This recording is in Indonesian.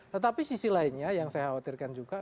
tetapi sisi lainnya yang saya khawatirkan juga